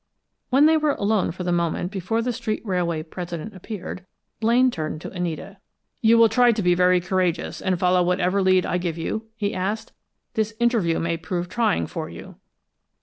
When they were alone for the moment before the street railway president appeared, Blaine turned to Anita. "You will try to be very courageous, and follow whatever lead I give you?" he asked. "This interview may prove trying for you."